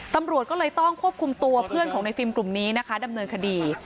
ตำรวจก็เลยต้องควบคุมตัวเพื่อนของในฟิล์มกลุ่มนี้นะคะดำเนินคดี